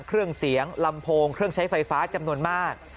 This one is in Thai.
เครื่องเสียงลำโพงเครื่องใช้ไฟฟ้าจำนวนมาก